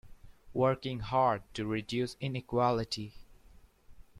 Working hard to reduce inequality.